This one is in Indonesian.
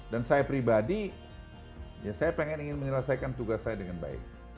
dan saya pribadi ya saya ingin menyelesaikan tugas saya dengan baik